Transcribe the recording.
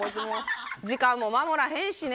時間も守らへんしね。